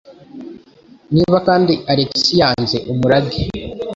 Niba kandi Alex yanze umurage?